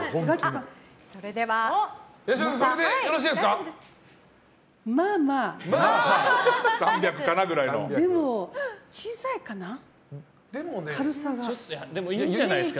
それでよろしいですか？